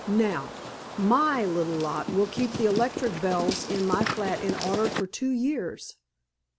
Now, my little lot will keep the electric bells in my flat in order for two years."